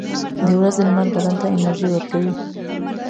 • د ورځې لمر بدن ته انرژي ورکوي.